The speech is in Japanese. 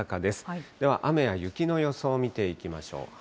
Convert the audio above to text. では、雨や雪の予想を見ていきましょう。